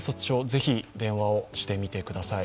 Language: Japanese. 是非、電話をしてみてください。